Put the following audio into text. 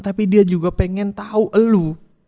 tapi dia juga pengen tau elu